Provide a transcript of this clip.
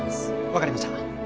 わかりました。